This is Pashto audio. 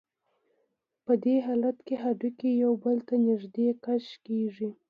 په دې حالت کې هډوکي یو بل ته نږدې کش کېږي.